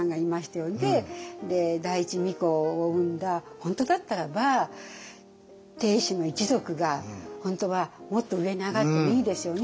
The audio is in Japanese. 本当だったらば定子の一族が本当はもっと上に上がってもいいですよね。